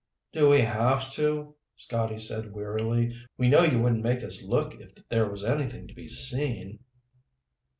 "Do we have to?" Scotty said wearily. "We know you wouldn't make us look if there was anything to be seen."